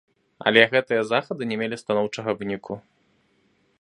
Але гэтыя захады не мелі станоўчага выніку.